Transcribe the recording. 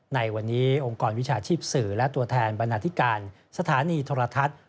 ในวันนี้องค์กรวิชาชีพสื่อและตัวแทนบรรณาธิการสถานีโทรทัศน์